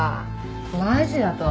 マジだとは。